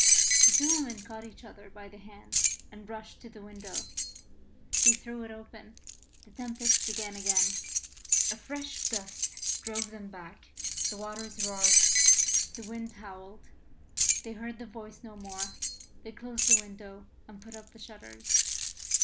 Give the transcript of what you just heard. The two women caught each other by the hand and rushed to the window. They threw it open; the tempest began again; a fresh gust drove them back; the waters roared: the wind howled; they heard the voice no more. They closed the window and put up the shutters.